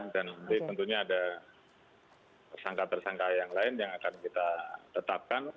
dan tentunya ada tersangka tersangka yang lain yang akan kita tetapkan